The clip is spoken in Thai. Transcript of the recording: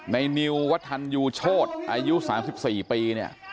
นิววัฒนยูโชธอายุ๓๔ปีเนี่ย